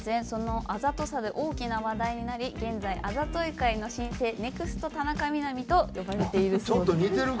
そのあざとさで大きな話題になり現在あざとい界の新星ネクスト田中みな実と呼ばれているそうです。